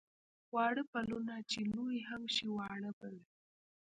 واړه پلونه چې لوی هم شي واړه به وي.